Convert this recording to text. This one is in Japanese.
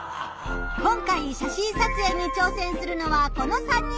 今回写真撮影にちょうせんするのはこの３人。